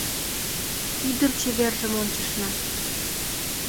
Ӱдыр чевержым ончышна.